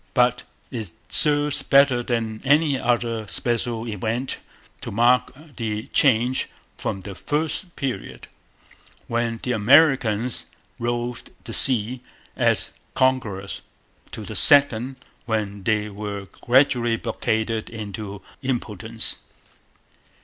But it serves better than any other special event to mark the change from the first period, when the Americans roved the sea as conquerors, to the second, when they were gradually blockaded into utter impotence.